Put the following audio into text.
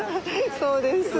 そうです。